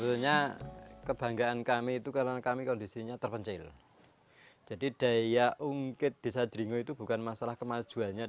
untuk menjadi pemandu yang bisa diandalkan